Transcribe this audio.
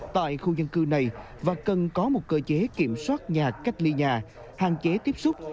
tại khu dân cư này và cần có một cơ chế kiểm soát nhà cách ly nhà hạn chế tiếp xúc